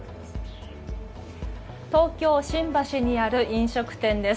東京新橋にある飲食店です。